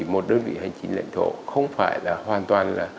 một đơn vị hành chính lệnh thổ không phải là hoàn toàn